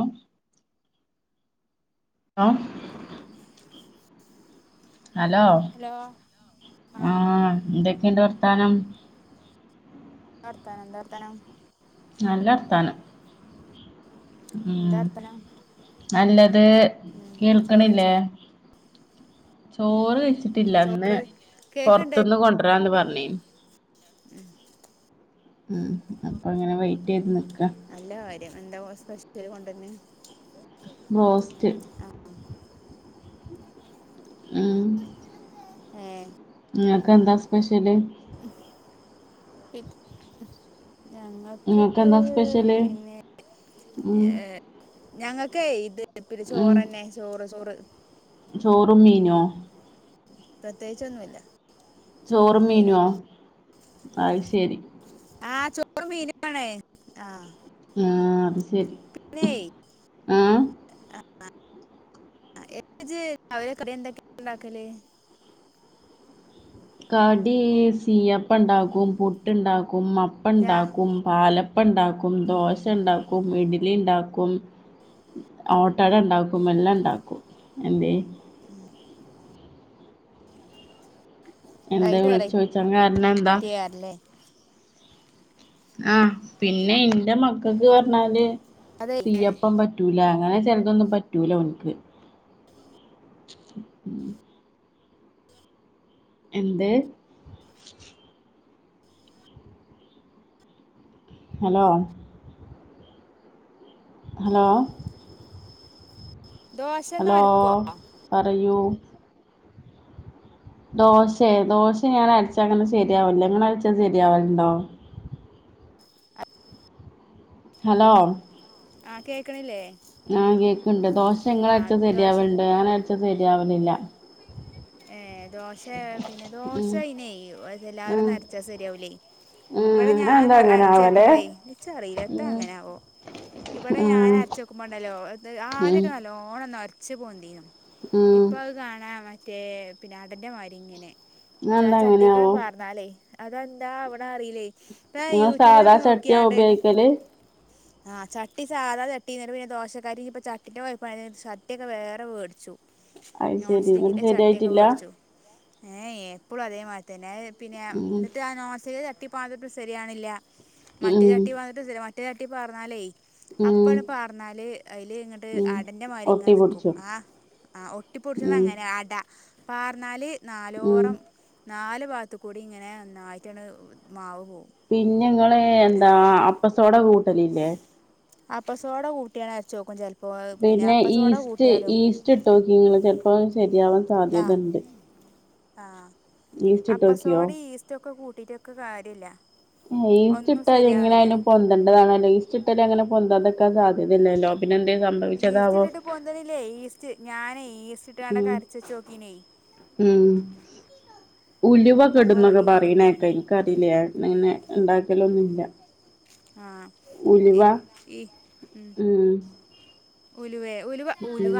ആഹ് ആഹ് ഹലോ! ആഹ് എന്തൊക്കെയുണ്ട് വർത്താനം? ല്ല വർത്താനം എന്ത വർത്താനം? നല്ല വർത്താനം. എന്താ ഉം, വർത്താനം നല്ലത് ഉം കേൾക്ക്ണില്ലേ? ചോറെയ്ച്ചോ ചോറ് കഴ്ച്ചിട്ടില്ല ഇന്ന് ചോറ് കേക്ക്ണ്ടോ പൊറ്ത്ത്ന്ന് കൊണ്ടരാന്ന് പർഞ്ഞ് ഉം! ആഹ് അപ്പൊ അങ്ങനെ വെയിറ്റ് ചെയ്ത് നിക്കാ നല്ല കാര്യം! എന്താവോ സ്പെഷ്യല് കൊണ്ടർഞ്ഞ് ബ്രോസ്റ്റ്! ആഹ് ആഹ് ആഹ് ഏഹ് നിങ്ങക്ക് എന്താ സ്പെഷ്യല്? [unintelligible] ഞങ്ങൾ ഇങ്ങക്കെന്താ സ്പെഷ്യല് ഉം ഞങ്ങൾക്കേ ഇത് ഇപ്പ ഉം ചോറന്നെ ചോറ്, ചോറ്. ചോറും മീനോ പ്രത്യേകിച്ചൊന്നുല്ല. ചോറും മീനോ അത് ശരി! ആഹ് ചോറും മീനാണേ ആഹ് ആഹ് അത് ശരി! പിന്നെ ആഹ് [unintelligible] ആഹ് [unintelligible] രാവിലെ കടി എന്തൊക്കെയാ ഇണ്ടാക്കല്? കടി, സീയപ്പണ്ടാക്കും, പുട്ടുണ്ടാക്കും, രാ അപ്പണ്ടാക്കുംപാല പ്പണ്ടാക്കും, ദോശ ഉണ്ടാക്കും, ഇഡ്ലി ഉണ്ടാക്കും ഓട്ടട ണ്ടാക്കും. എല്ല ണ്ടാക്കും. എന്തേ ഉം. എന്താ വെറൈറ്റി വിളിച്ച് വെറൈറ്റി ചോയിച്ച കാരണന്താ ആണല്ലേ ആ! പിന്നെ ഇന്റെ മക്കക്ക് പറഞ്ഞാല് അതെ സീയപ്പംപറ്റ് റ്റൂല അങ്ങനെ ചെലതൊന്നും പറ്റൂല ഓന്ക്ക് ഹ് ഹൂം എന്ത്? ഹലോ! ! ഹലോ! ! ദോശ ഒന്ന് ഹലോ! അരക്കുവോ പറയൂ! ദോശെ? ദോശ ഞാൻ അരച്ചാ ങ്ങനെ ശരിയാവല്ല. നിങ്ങളരച്ചാ ശരിയാവലുണ്ടോ? ഹലോ! ആ കേക്കണില്ലേ? ആ കേക്ക്ണ്ട്. ദോശ ആ ങ്ങളരച്ചാ ദോശ ശരിയാവല്ണ്ടോ? ഞാൻ അരച്ചാ ശരിയാവലില്ല. ഏ.. ദോശ പിന്നെ ഉം ദോശയിനെ വ ഉം എല്ലാരുന്നും അരച്ചാ ശരിയാവൂലെ.. ഇവ്ടെ ഉം ഞാൻ അതെന്താ ന്ന അങ്ങനെ അരച്ച് ആവലേ വെക്കുമ്പളേയ് ഇച്ചറീല എത്താ ഉം അങ്ങനെവോ ഇബടെ ഞാൻ ഉം അരച്ചു വെക്കുമ്പണ്ടല്ലോ ത് ഉം ആദ്യൊക്കെ നല്ലോണം നൊരച്ച് പൊന്തീന്നു ഉം ഇപ്പ അത് കാണാ മറ്റേ, പിന്നെ അടൻ്റെ മാതിരി ങ്ങനെ. അതെന്താ ചട്ടീക്കണ് അങ്ങനാവോ പാർന്നാലയ് അതെന്താ അവിടെ അറിയിലെ? ഇപ്പ ഞാൻ ഇങ്ങള് സാധാ യൂട്യൂബിലൊക്കെ ചട്ടിയാ നോക്കിയാണ്ട ഉപയോഗിക്കല് ആ ചട്ടി സാധാര ചട്ടി ന്നട്ട് പിന്നെ ദോശക്കരി [unintelligible] ട്ടിന്റെ കൊയപ്പാണ്ര്തി ചട്ടിയൊക്കെ വേറെ വേടിച്ചു. അത് ശരി ഇന്നട്ട് നോൺസ്റ്റിക്കിന്റെ ചട്ടിയൊക്കെ ശരിയായിട്ടില്ല വേടിച്ചു. ഏഎ പ്പളും അതേമാതിരി തന്നെ. അയ് പിന്നെ, ഉം ന്നിട്ട്, ആ നോൺസ്റ്റിക്ക് ചട്ടി പ്പോ [unintelligible] ശരിയാവണില്ല ഉം മറ്റെ ചട്ടി [unintelligible] മറ്റേ ചാട്ടി പാർന്നാലേ ഉം അപ്പണ് പാർന്നാല് അയി ല്ങ്ങ ഉം അടന്റെ മാരിങ്ങനെ ഒട്ടി നിക്കും. പിടിച്ചു ആഹ് ആ ഒട്ടിപ്പുട്ച്ച്ണ ഉം ങ്ങനെ അട പാർന്നാല് ഉം നാലോറം നാല് ഭാത്തുകൂടി ങ്ങനെ ഒന്നായിട്ടണ് മാവ് പോവും. പിന്നെങ്ങള് എന്താ അപ്പസോഡ കൂട്ടല്ല്ലേ? അപ്പസോട കൂട്ടിയാണ് അരച്ചോക്കും ചെൽപ്പോ ഏഹ് പിന്നെ അപ്പസോട കൂട്ടിയാലും ച്ചിട്ടോക്കി ഇങ്ങള് ചെൽപ്പം ശെരിയാവാൻ ആഹ് ആഹ് ഈസ്റ്റ് ഇട്ടോക്കിയോ അപ്പസോഡീ ഈസ് റ്റൊക്കെ കൂട്ടീറ്റൊക്കെ കാര്യല്ല. ഏ ഈസ്റ്റ്‌ ഇട്ടാല് എങ്ങനെ ആയാലും പൊൻ ന്തണ്ടതാണല്ലോ? ഈസ്റ്റ് ഇട്ടാല് അങ്ങനെ പൊന്താക്കാൻ സാധ്യത ഇല്ലല്ലോ പിന്നെ എന്തെ സംഭ ഈസ്റ്റ് ഇട്ടിട്ട് പൊന്തിണ്ല്ലേ. ഈസ്റ്റ് ഞാനേ ഈസ്റ്റ് ഉം ട്ടാണ്ടൊക്കെ അരച്ച് ചോക്കീനെ ഉലുവ‌ക്കെടുംന്നൊക്കെ പറയ്ണേക്ക ഇൻക്ക റീലേ ന്നങ്ങനെ ഇണ്ടാക്കലൊന്നും ഇല്ല. ആഹ് ഉലുവ ഉം ഉലുവേ ഉലുവ ഉലുവ ഉം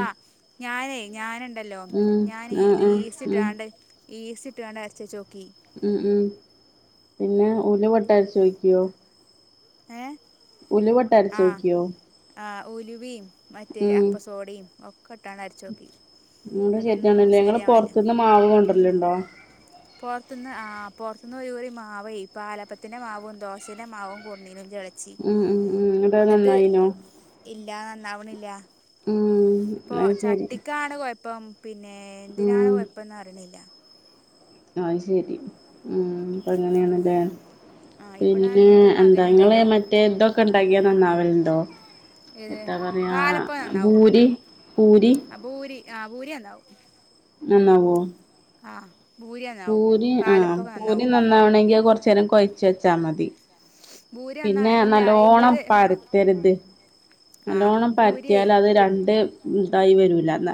ഞാനേ ഞാന് ണ്ടല്ലോ. ഉം ഞാന് ആഹ് ആഹ് ഈസ്റ്റ് ഉം ഇട്ടാണ്ട് ഈസ്റ്റ് ഇട്ടാണ്ട് അര്ച്ച ച്ചോക്കി. ഉം ഉം പിന്നെ, ഉലുവട്ട് അരച്ചോക്കിയോ? ഏഹ് ഉലുവട്ട് അരച്ചോക്കിയോ? ആ ഉലുവിം മറ്റേ ഉം അപ്പസോഡീം ഒ ക്കട്ടാണ്ട് അരച്ചോക്കി. അത് ഇന്ന്ട്ടൊന്നും ശരിയാണല്ലേ ഞങ്ങള് സെരി ആവ്ണില്ല പൊറത്തുന്ന് മാവ് ഉം ഉം കൊണ്ടരലുണ്ടോ പൊർത്ത്ന്ന് ആഹ് പൊർത്ത്ന്ന് ഒര് കുറി മാവേയ് പലപ്പത്തിന്റെ മാവും ദോശെന്റെ മാവും കൊട്ന്നീനിന്റെളച്ചി. ഉം ഉം ഉം ഇന്ന്ട്ടത് നന്നായീനോ? ഇല്ലാ നന്നാവ്ണ്ല്ല. ഊം ഇപ്പൊ ചട്ടിക്കാണ് കൊഴ്പ്പം പിന്നേ എന്തിനാണ് ഉം കൊഴപ്പംന്നറിണ്ല്ല. അഹ് ശെരി, ഉം ഇപ്പങ്ങനേണ്ലേ ആ പിന്നേ ഇവിടാണെങ്കിൽ എൻ്റെ എന്താ ഇങ്ങളേ മകനുണ്ടല്ലോ മറ്റേ ഇതൊക്കെണ്ടാക്ക്യാ നന്നാവല്ണ്ടോ? ഏത് എത്താ പറയാ ബൂരി പൂരി ആഹ് ബൂരി, ആഹ് ബൂരി നന്നാവും. നന്നാവോ? ആഹ് പൂരി ആഹ് പൂരി നന്നാവണെങ്കി, അത് കൊർച്ചേരം കൊയ്ച്ച് വെച്ചാമതി. ഭൂരി നന്നാ പിന്നേ ഇല്ല നല്ലോണം എൻ്റെത് പര്ത്തര്ത്. ആ നല്ലോണം ഭൂരിയേ പര്ത്തിയാല് അത് രണ്ട് ഇതായി വരൂല. ഇന്ന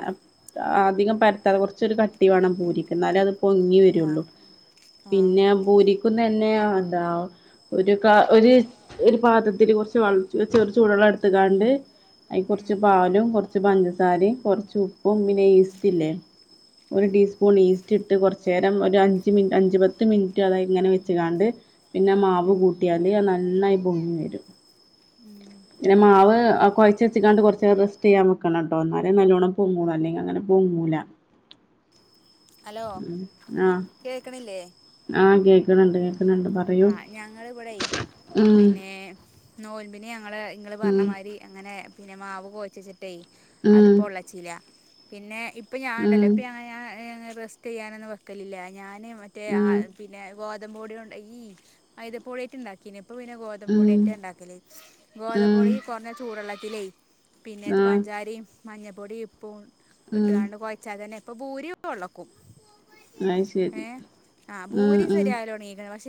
അധികം പരത്താതെ കൊർച്ചൊരു കട്ടി വാണം പൂരിക്ക്, ഇന്നാലെ അത് പൊങ്ങി ആ വെരൊള്ളു. ആ പിന്നെ ബൂരിക്കും തന്നെ അതാ ഒര് കാ ഒര് ഒര് പാത്രത്തില് കൊർച്ച് വൾ ചെറ് ചൂടള്ളട് ത്ത്ക്കാണ്ട് അയ്ക്ക് ഉം കൊർച്ച് പാലും കൊർച്ച് ച്ച് പഞ്ചസാരിം, കൊർച്ച് ഉപ്പും പിന്നെ ഈസ്റ്റ്ല്ലേ ഒര് ഉം ടീസ് പൂൺ ഈസ്റ്റ്ട്ട്, കൊർച്ചേരം ഒരു അഞ്ച് മിൻ അഞ്ച് പത്ത് മിൻറ്റ് അതായത് ഇങ്ങനെ വെച്ച് കാണ്ട് പിന്നെ മാവ് ഉം കൂട്ടിയാല് അത് നന്നായി പൊങ്ങി വെരും. ഉം പിന്നെ മാവ് ആഹ് കൊയ്ച്ച് വെച്ച് കാണ്ട് കൊർച്ചേരം റെസ്റ്റെയ്യാൻ വെക്കണട്ടോ. ഇന്നാലേ നല്ലോണം പൊങ്ങൊള്ളു. അല്ലെങ്കിൽ അങ്ങനെ പൊങ്ങൂല. ഉം ആഹ് കേക്ക്ണ്ല്ലേ? ആഹ് കേക്ക്ണ് ണ്ട് കേക്ക്ണ് ണ്ട് പർ ആഹ് ഞങ്ങള് വടെയ് പിന്നേ, നോൽമ്പിന് ഞങ്ങള് ഇങ്ങള് പർഞ്ഞ ഉം മാരി അങ്ങനെ പിന്നെ മാവ് കോയ്ച്ചച്ച്ട്ടേയ് അത് ഉം പൊള്ളച്ചീല. പിന്നെ ഇ ഇപ്പ ഞാൻണ്ടല്ലോ ഇപ്പ ഞാ [unintelligible] റെസ്റ്റെയ്യാനൊന്നും വെക്കലില്ല. ഞാന് മറ്റേ ഉം ഉം പിന്നെ ഗോതമ്പ് പൊട്യോണ്ട് ഈ മൈദപ്പൊടിയേറ്റ് ഇണ്ടാക്കീനി. ഇപ്പൊ പിന്നെ ഗോതമ്പ് ഉം പൊട്യേറ്റാ ഇണ്ടാക്കല്. ഉം ഗോതമ്പൊടി കൊർഞ്ഞ ചൂടെള്ളത്തിലെയ് പിന്നേത്ത് ആഹ് പഞ്ചാരിം മഞ്ഞപ്പൊടിം ഇപ്പും ഉം ഇട്ടാണ്ട് കൊയ് ച്ചാ തന്നെ ഇപ്പൊ ബൂരി [unintelligible] ള്ളക്കും. അത് ശരി ഏഹ് ആഹ് ഉം ബൂരിം ഉം സര്യാവലൊട്ങ്ങീക്ക്ണ്, പക്ഷെ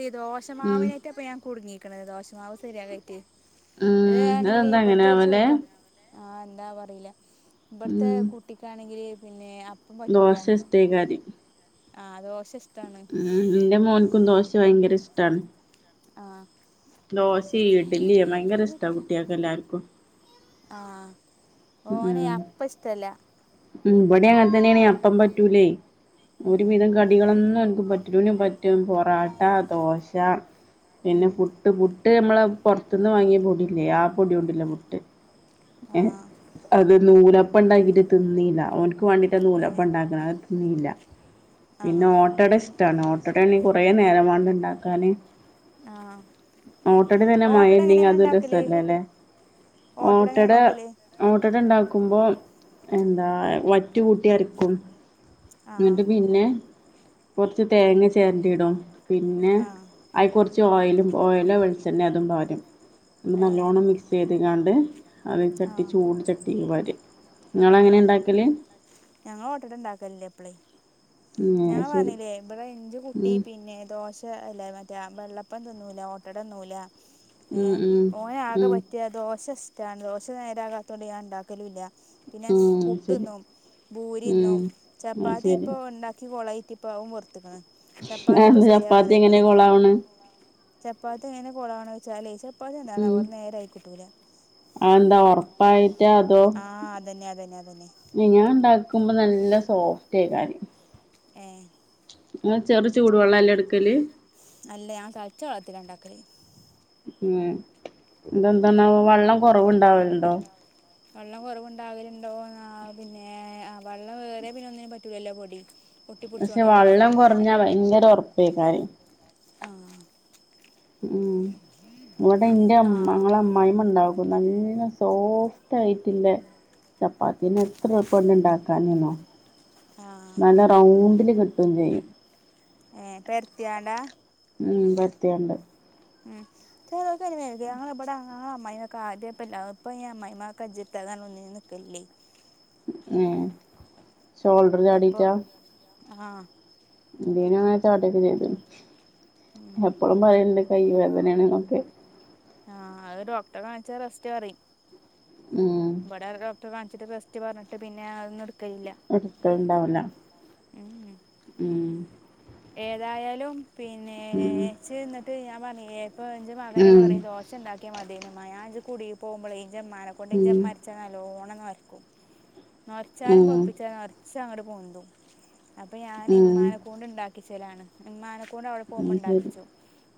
ഉം ദോശമാവിനേയ്റ്റ ഇപ്പ ഞാൻ കുട്ങ്ങീക്ക്ണത്. ദോശമാവ് സര്യാകേയ്റ്റെ. ഉം ഇതാണെങ്കില് അതെന്താ അങ്ങനെ ഇബട്ത്തെ ഒരു ആവല് ചെർക്കം ആഹ് എന്താവൊ അറീല. ഇബട്ത്തേ ഉം കുട്ടിക്കാണെങ്കില് പിന്നേ ദോശ ഇഷ്ടെയ്ക്കാരെയ് ആഹ് ദോശഷ് ഉം ഇന്റെ മോൻക്കും ദോശ വയ്ങ്കര ഇഷ്ടാണ്. ആഹ് ദോശീ ഇഡ്ഡ്ലീം ഭയങ്കര ഇഷ്ട കുട്ട്യാക്കെല്ലാർക്കും. ആഹ് ഓനേ ഉം അപ്പഷ്ടല്ല. ഉം ഇബടി അങ്ങൻ തന്നേണേ അപ്പം പറ്റൂലേയ്. ഉം ഒരുവിധം കടികളൊന്നോൻക്ക് പറ്റൂല, പിന്നെ പറ്റും പൊറാട്ട, ദോശ പിന്നെ ഉം പുട്ട് പുട്ട് നമ്മള് പൊർത്ത്ന്ന് വാങ്ങിയ പൊടില്ലേ ആ പൊട്യോണ്ട്ല്ലെ പുട്ട്. ഏ ആഹ് അത് ഉം നൂലപ്പണ്ടാക്കീട്ട് തിന്നീല്ല. ഓൻക്ക് വാണ്ടീട്ട ഏഹ് നൂലപ്പണ്ടാക്ക്ണെ, അത് തിന്നീല്ല. പിന്നെ ആഹ് ഓട്ടട ഇഷ്ടാണ്. ഓട്ടടേണെങ്കി കൊറേ നേരം വാണ്ടെ ഇണ്ടാക്കാന്. ആഹ് ഓട്ടടിം തന്നെ ഓട്ടട എങ്ങനെ മയല്ലെങ്കി ഇങ്ങള് അതും ഇണ്ടാക്കല് രസല്ലലേ, എങ്ങനെ ഓട്ടട ഇണ്ടാക്കല് ഓട്ടട ഉണ്ടാക്കുമ്പോ എന്താ വറ്റ് കൂട്ടി അരക്കും എന്നിട്ട് ആഹ് പിന്നെ കൊറച്ച് തേങ്ങ ചേരണ്ടിടും പിന്നെ ആഹ് അയിക്ക് കുറച്ച് ഓയിലും ഓയിലോ വെളിച്ചണ്ണയോ അതും പാരും ന ഏഹ് നല്ലോണ്ണം മിക്സ് മിക്സ്ചെയ്തികാണ്ട് അത് ചട്ടി ആഹ് ചൂട് ചട്ടി വാരും ആഹ് ഞങ്ങ ള്ഓട്ട ഇണ്ടാക്കലല്ലേ എപ്പളേ ഞങ്ങള് ശരി പറഞ്ഞില്ലേ ഇടെ ഇന്റെ കുട്ടി ഉം, പിന്നെ ദോശ അല്ല മറ്റേ വെള്ളപ്പംതിന്നൂല ഓട്ടട തിന്നൂല ഏ ഉം, ഉം, ഓനെ ആകെ ഉം, പറ്റിയ ദോശ ഇഷ്ടമാണ് ദോശ നേരാകാത്തൊണ്ട് ഞാൻ ഉണ്ടാക്കലൂല്ല പിന്നെ ഉം, ശരി പുട്ട്ന്നും ഉം, ഭൂരിന്നും ആ, ചപ്പാത്തി ശരി ഇപ്പോൾ ഉണ്ടാക്കി കൊളായിട്ട് ഇപ്പും അതും വെറുത്തക്കണ് ചപ്പാത്തി ഇപ്പൊ അതെന്താ ശെരി ആവാ ചപ്പാത്തി തി എങ്ങനെ ക്കണ് കൊളാവണ് ചപ്പാത്തി ങ്ങനെത്ത് എങ്ങനെ കുളാണ വെച്ചാലേ ചപ്പാത്ത് എന്താണ് അവ നേരെ ആയിക്കിട്ടൂല അഹ് എന്താ ഉറപ്പായിട്ടാ അതോ ആഹ് അതന്നെ അതന്നെ അതന്നെ ഞാൻ ഉണ്ടാക്കുമ്പോ നല്ല സോഫ്റ്റ് ആയി കാര്യം ഏഹ് ഇങ്ങള് ചെറുചൂടുവെള്ള എല്ലെ എടു അല്ല ഞാൻ തെളച്ച വെളത്തിലാ ഉണ്ടാക്കല് ഉം ഇതെന്താണാവോ വെള്ളം കൊറവുണ്ടാവലുണ്ടോ വെള്ളം കുറവുണ്ടാകലുണ്ടോ പിന്നെ വെള്ളം വേറെ പിന്ന ഒന്നിനും പറ്റൂല്ലോ പൊടി പക്ഷെ ഒട്ടിപ്പിടിച്ചോണ്ടല്ലേ കാരം വെള്ളം കുറഞ്ഞാ ഭയങ്കര ഉറപ്പേ കാര്യം ആഹ് ഉം ഇവടെ എന്റെ ആ [unintelligible] അമ്മായിമ്മ ഉണ്ടാകും നല്ല സോഫ്റ്റ് ആയിട്ട് ല്ലെ ചപ്പാത്തിന് എത്ര എളുപ്പ ഉണ്ട് ഉണ്ടാക്കാനിന്നോ ആ നല്ല റൗണ്ടിൽ കിട്ടും ചെയ്യും ഏ പെർത്തിയാണ്ടാ ഉം പരത്തിയാണ്ട് ആഹ് ചെറുതല്ലേത് അ ഞങ്ങള ഇവിടെ ഞങ്ങളെ അമ്മായിനൊക്കെ ആദ്യപ്പഎല്ലാതും ഇപ്പൊ അയിന് അമ്മായിമാക്കെജ്ജ പ്പോ അതാണ് ഒന്നിനും നിക്കലില്ലേ ഏഹ് ഷോൾഡർ ചാടിട്ടാ ആഹ് ഇന്റേനും അങ്ങനെ ചാടൊക്കെ ചെയ്തു ഉം എപ്പഴും പറയലിണ്ട് കൈ വേദനാണ് എന്നൊക്കെ ആഹ് അത് ഡോക്ടറെ കാണിച്ചാ റെസ്റ്റ് പറയും ഉം ഇബടെ ഒര് ഡോക്ടറെ കാണിച്ചിട്ട് റസ്റ്റ് പറഞ്ഞിട്ട് പിന്നെ അതൊന്നും എടുക്കലില്ല എടുക്കല്ഉണ്ടാവൂല ഏഹ് ഉം ഏതായാലും പിന്നേ ഉം ച്ച് ന്നിട്ട് ഞാൻ പറഞ്ഞേ പ്പ ന്റെ മകനും ഉം പറയും ദോശ ഉണ്ടാക്കിയാ മതിന്ന് മ്മയാ ഇജ്ജ് കുടി പോവുമ്പോഴേ ഇഞ്ചമ്മാനെ കൊണ്ട് ഉം ഇഞ്ചമ്മരച്ച നല്ലോണം നൊരക്കും നൊരച്ചാലും ഉം പവുപ്പിച്ച നറച്ചങ്ങട്ട് പൊന്തും അപ്പൊ ഞാൻ ഉം ഇമ്മാനെക്കൊണ്ട് ഉണ്ടാക്കിച്ചലാണ് ഇമ്മാനെക്കൊണ്ട് അവിടെ ഉം പോകുമ്പോ ശരി ഉണ്ടാക്കിച്ചും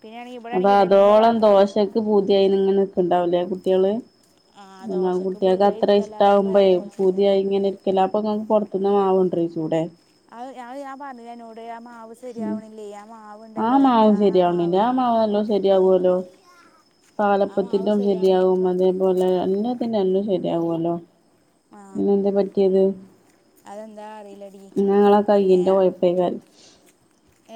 പിന്നേയാണെങ്കി അപ്പൊ അതോളം ദോഷക്ക്‌ പൂതിയായിന് ഇങ്ങനെ ഒക്കെണ്ടാവൂലേ കുട്ടികള് ആ പിന്നേ ആഹ് ദോശക്ക് കുട്ട്യാക്ക് അത്ര പൂതിയായിരിക്കല്ലാതെ ഇപ്പൊ ഇഷ്ടാവുമ്പേ വേറെ നിവർത്തിയില്ലല്ലോ പൂതിയായി ഇങ്ങനെ ക്കിലാ അപ്പൊ ങ്ങ് പുറത്തുന്ന് മാവ് കൊണ്ട്ര രോ ചുടാൻ അഅ് അഅ് ഞാൻ പറഞ്ഞില്ലേ അന്നോട് ആഹ് മാവ് ഉം ശരിയാവണില്ലേ ആഹ് ആ മാവും ശരിയാവണില്ലേ ആ മാവ് നല്ലോ ഏ ണംശരിയാവോല്ലോ ആ മാവ് പാലപ്പത്തിന്റെ ശരിയാവണില്ല ശരിയാകും അതേപോലെ എല്ലാത്തിന്റെ നല്ലോം ശരിയാവോല്ലോ ആ പിന്നെന്തേ പറ്റിയത് അതെന്താ അറിയിലടി പിന്നെ പൈവൽ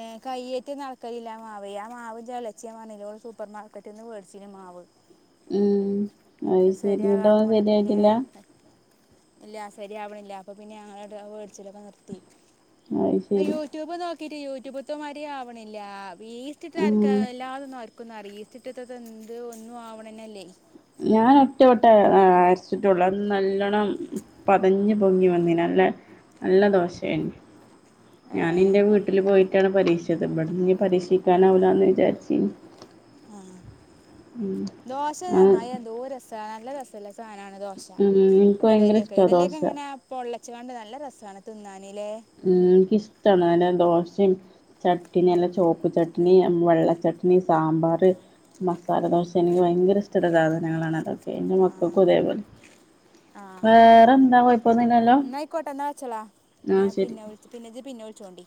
ഏഹ് കയ്യേറ്റ് നളക്കലില്ലാ മാവ് ആ മാവ് ഇന്റളേച്ചി ഞാ പറഞ്ഞില്ലേ സൂപ്പർ മാർക്കറ്റ്ന്ന് വേടിച്ചിനു ആ മാവ് ഉം അത് ശരി ന്നട്ട് ശരിയാകാത്തത് ഓളത് കൊണ്ട് പിന്നെ ശരിയായിട്ടില്ല ഇല്ല ശരിയാവണില്ല അപ്പൊ പിന്നെ ഞങ്ങള് രണ്ടാളും വേടിച്ചലൊക്കെ നിർത്തി അത് ശരി യൂട്യൂബ് നോക്കിട്ട് യൂട്യൂബത്തെ മാരീം ആവണില്ല യീസ്റ്റിട്ട് അരക്കാ ഉം എല്ലാതും നൊര ക്കൊന്ന് അറിയിച്ചിട്ടത്തത് എന്ത് ഒന്നും ആവണെന്നല്ലേ ഞാൻ ഒറ്റ വട്ടെ അരച്ചിട്ടുള്ളൂ അത് നല്ലോണം പതഞ് പൊങ്ങി വന്നിന് നല്ല നല്ല ദോശായിന് ഞാൻ ഏ എന്റെ വീട്ടില് പോയിട്ടാണ് പരീക്ഷിച്ചത് ഇവിടെന്ന് ഇനി പരീക്ഷിക്കാനാവൂല ന്ന് വിചാരിച്ചീന് ആഹ് ദോശ ആഹ് നന്നായാ എന്തോരു രസ നല്ല രസല്ല സാനാണ് ദോശ ഉം ഇൻക്ക് ഭയങ്കര ഇടലിയൊക്കെ ഇഷ്ടാ ഇടലിയൊക്കെ ദോശ എങ്ങനെ പൊള്ളച്ച് ങ്കാണ്ട് നല്ല രസാണ് തിന്നാനിലെ ഉം എനക്കിഷ്ടാണ് നല്ല ദോശയും ചട്ടിനി നല്ല ചോ പ്പ് ചട്നീം വെള്ളച്ചട്നീം സാമ്പാർ മസാലദോശ എനിക്ക് ഭയങ്കര ഇഷ് ടള്ള സാധനങ്ങളാണ് അതൊക്കെ എന്റെ ആ മക്കൾക്കും അതേപോലെ ആ വേറെന്താ കൊയപ്പോന്നൂലല്ലോ എന്നാൽ ആയിക്കോട്ടെ എന്നാൽ വച്ചോളാം ആഹ് എന്നാൽ ശ പിന്നെ വുളിച്ച് പിന്നെ ജ്ജ് പിന്നെ വുളിച്ചോണ്ടീ